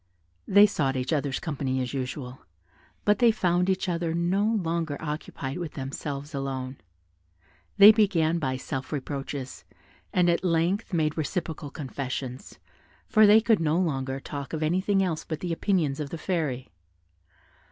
They sought each other's company as usual, but they found each other no longer occupied with themselves alone: they began by self reproaches, and at length made reciprocal confessions, for they could no longer talk of anything else but the opinions of the Fairy.